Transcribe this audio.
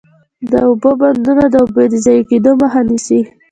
د اوبو بندونه د اوبو د ضایع کیدو مخه نیسي.